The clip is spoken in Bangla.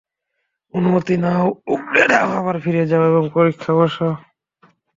অনুমতি নাও, উগড়ে দাও, আবার ফিরে যাও এবং পরীক্ষায় বসো।